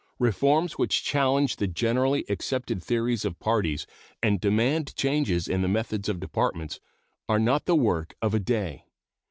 Reforms which challenge the generally accepted theories of parties and demand changes in the methods of Departments are not the work of a day.